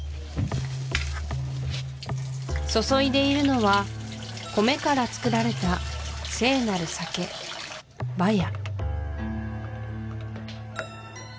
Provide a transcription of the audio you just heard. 注いでいるのは米からつくられた聖なる酒「バヤ」